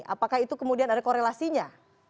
apakah itu kemudian ada korelasinya